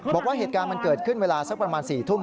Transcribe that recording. บอกว่าเหตุการณ์มันเกิดขึ้นเวลาสักประมาณ๔ทุ่ม